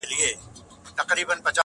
گراني فريادي دي بـېــگـــاه وويل.